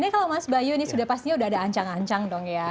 nah ini kalau mas bayu ini sudah pasti ada ancang ancang dong ya